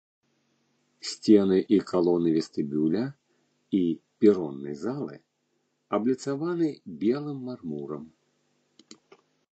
Сцены і калоны вестыбюля і пероннай залы абліцаваны белым мармурам.